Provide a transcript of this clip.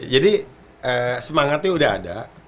jadi semangatnya udah ada